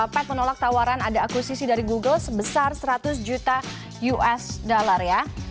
pet menolak tawaran ada akusisi dari google sebesar seratus juta usd ya